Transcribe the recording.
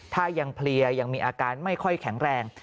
ถ้ายังเพลียยังมีอาการไม่ค่อยแข็งแรง